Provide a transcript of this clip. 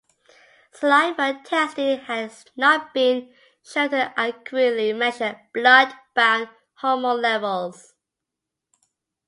Saliva testing has not been shown to accurately measure blood-bound hormone levels.